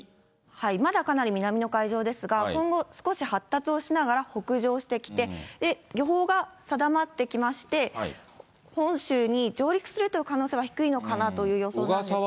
まだかなり南の海上ですが、今後、少し発達をしながら北上してきて、予報が定まってきまして、本州に上陸するという可能性は低いのかなという予想なんです